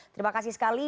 terima kasih sekali